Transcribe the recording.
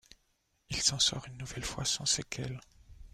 Il s'en sort une nouvelle fois sans séquelles.